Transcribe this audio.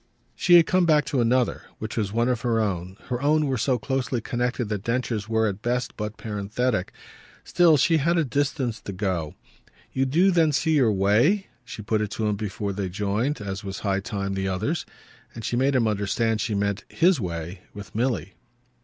She had come back to another, which was one of her own; her own were so closely connected that Densher's were at best but parenthetic. Still she had a distance to go. "You do then see your way?" She put it to him before they joined as was high time the others. And she made him understand she meant his way with Milly.